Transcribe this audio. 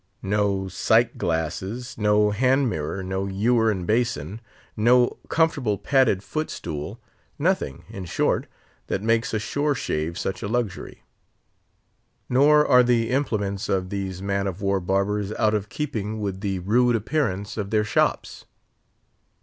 No Psyche glasses; no hand mirror; no ewer and basin; no comfortable padded footstool; nothing, in short, that makes a shore "shave" such a luxury. Nor are the implements of these man of war barbers out of keeping with the rude appearance of their shops.